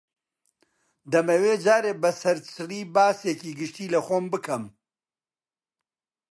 دەمەوێ جارێ بە سەرچڵی باسێکی گشتی لە خۆم بکەم